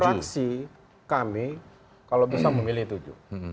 fraksi kami kalau bisa memilih tujuh